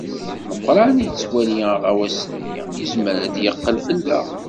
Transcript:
Meqqran yettwali aɣawas-nni yezmer ad d-yeqqel fell-aɣ.